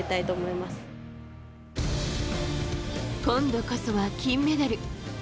今度こそは金メダル。